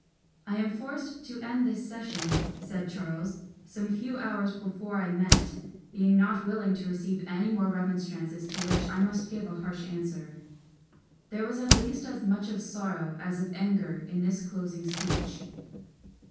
"I am forced to end this session," said Charles, "some few hours before I meant, being not willing to receive any more Remonstrances, to which I must give a harsh answer." There was at least as much of sorrow as of anger in this closing speech.